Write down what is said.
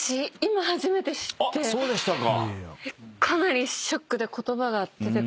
そうでしたか。